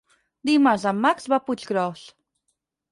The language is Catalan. Dimarts en Max va a Puiggròs.